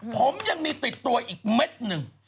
ผมยังมีติดตัวอีกเม็ดหนึ่ง